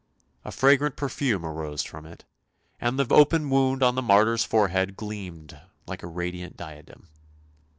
A fragrant perfume arose from it, and the open wound on the martyr's forehead gleamed like a radiant diadem.